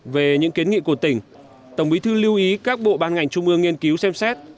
về những kiến nghị của tỉnh tổng bí thư lưu ý các bộ ban ngành trung ương nghiên cứu xem xét